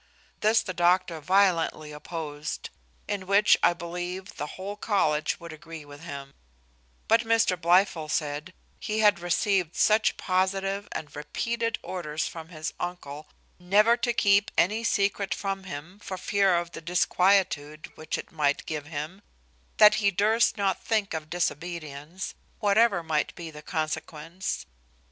This the doctor violently opposed; in which, I believe, the whole college would agree with him: but Mr Blifil said, he had received such positive and repeated orders from his uncle, never to keep any secret from him for fear of the disquietude which it might give him, that he durst not think of disobedience, whatever might be the consequence.